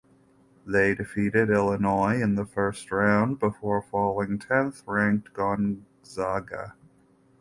They defeated Illinois in the first round before falling tenth ranked Gonzaga.